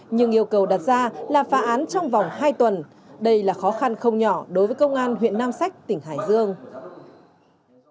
nhưng yêu cầu đặt ra là phá án trong vòng hai tuần đây là khó khăn không nhỏ đối với công an huyện nam sách tỉnh hải dương